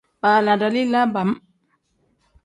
Baala dalila bam.